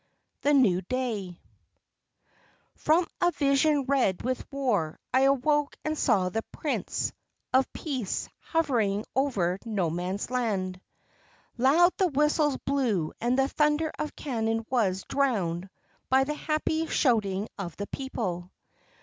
THE NEW DAY From a vision red with war I awoke and saw the Prince of Peace hovering over No Man's Land. Loud the whistles blew and the thunder of cannon was drowned by the happy shouting of the people.